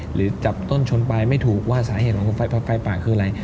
หรือจับต้นชนปลายไม่ถูกว่าสาเหตุของไฟป่าคืออะไร